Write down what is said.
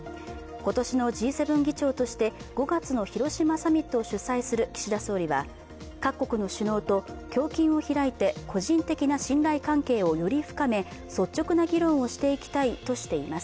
今年のＧ７議長として５月の広島サミットを主催する岸田総理は各国の首脳と胸襟を開いて個人的な信頼関係をより深め率直な議論をしていきたいとしています。